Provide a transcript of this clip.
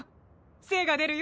精が出るよ。